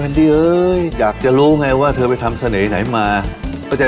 มันมีความสุขเหรอคะที่ได้แต่ตัวเขามาแต่ไม่ได้หัวใจ